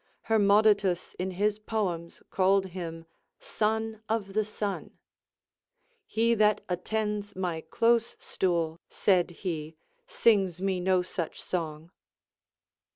Hermodotus in his poems called liim Son of the Sun. He that attends my close stool, said he, sings me no such song.